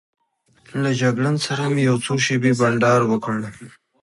له جګړن سره مې یو څو شېبې بانډار وکړ.